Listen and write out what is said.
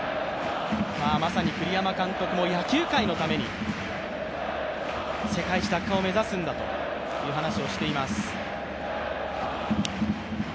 まさに栗山監督も野球界のために、世界一奪還を目指すんだという話をしています。